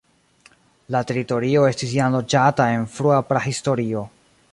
La teritorio estis jam loĝata en frua prahistorio.